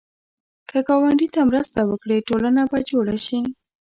که ګاونډي ته مرسته وکړې، ټولنه به جوړه شي